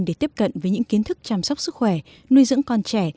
để tiếp cận với những kiến thức chăm sóc sức khỏe nuôi dưỡng con trẻ